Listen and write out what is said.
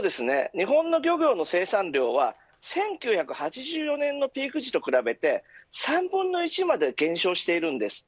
日本の漁業の生産量は１９８４年のピーク時と比べて３分の１にまで減少しているんです。